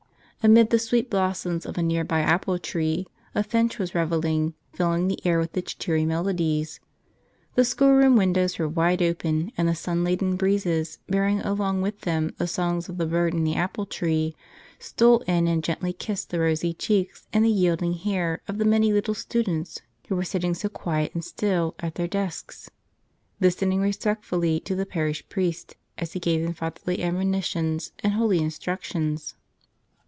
Amid the sweet blos¬ soms of a nearby apple tree a finch was rev¬ elling, filling the air with its cheery melodies. The schoolroom windows were wide open, and the sun laden breezes, bearing along with them the songs of the bird in the apple tree, stole in and gently kissed the rosy cheeks and the yielding hair of the many little students who were sitting so quiet and still at their desks, listening respectfully to the parish priest, as he gave them fatherly admonitions and holy instructions.